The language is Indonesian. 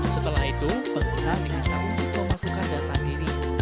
setelah itu pengguna diminta untuk memasukkan data diri